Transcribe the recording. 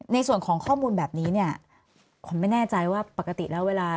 ในส่วนของข้อมูลแบบนี้เนี่ยผมไม่แน่ใจว่าปกติแล้วเวลา